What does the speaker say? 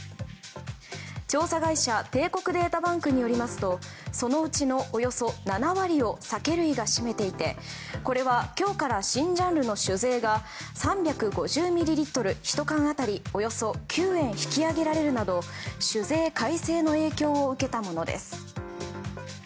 調査会社帝国データバンクによりますとそのうちのおよそ７割を酒類が占めていてこれは、今日から新ジャンルの酒税が３５０ミリリットル１缶当たりおよそ９円引き上げられるなど酒税改正の影響を受けたものです。